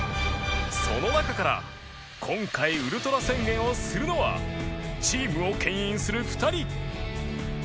その中から今回ウルトラ宣言をするのはチームを牽引する２人